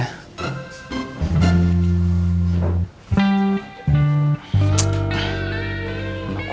kursi keras lagi ya